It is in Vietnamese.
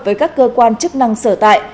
với các cơ quan chức năng sở tại